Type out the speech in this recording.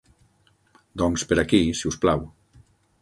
Doncs per aquí si us plau.